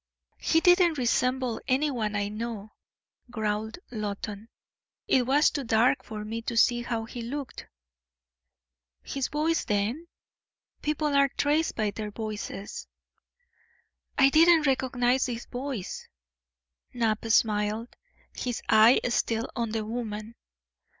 "He didn't resemble anyone I know," growled Loton. "It was too dark for me to see how he looked." "His voice, then? People are traced by their voices." "I didn't recognise his voice." Knapp smiled, his eye still on the woman.